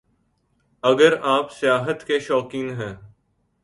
اگر آپ سیاحت کے شوقین ہیں